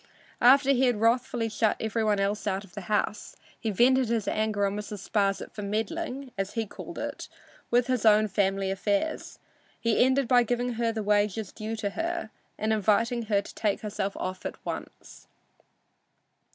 After he had wrathfully shut every one else from the house, he vented his anger on Mrs. Sparsit for meddling (as he called it) with his own family affairs. He ended by giving her the wages due her and inviting her to take herself off at once.